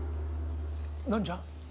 何じゃ。